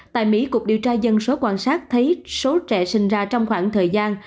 tại mỹ cục điều tra dân số quan sát thấy số trẻ sinh ra trong khoảng thời gian